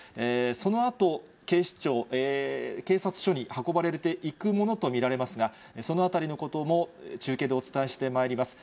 そのあと、警視庁、警察署に運ばれていくものと見られますが、そのあたりのことも中継でお伝えしてまいります。